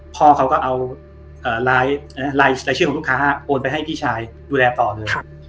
พ่อเขาก็เอารายชื่อของลูกค้าโอนไปให้พี่ชายดูแลต่อเลย